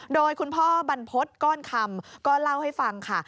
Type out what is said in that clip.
โดยคุณพ่อบรรพฤษก้อนคำก็เล่าให้ฟังค่ะ